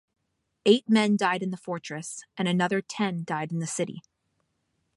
Eight men died in the fortress, and another ten died in the city.